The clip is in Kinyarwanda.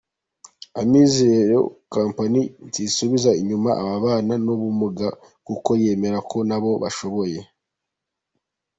Amizero Company ntisubiza inyuma ababana n'ubumuga kuko yemera ko nabo bashoboye.